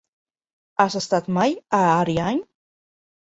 Has estat mai a Ariany?